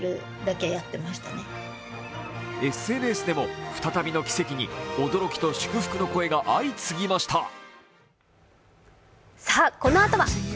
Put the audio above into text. ＳＮＳでも再びの奇跡に驚きと祝福の声が相次ぎました。